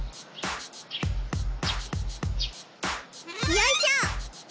よいしょ！